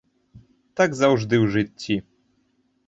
Так заўжды ў жыцці.